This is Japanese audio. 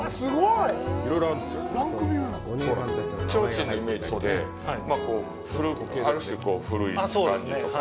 ちょうちんのイメージって、まあ、ある種、古い感じとか。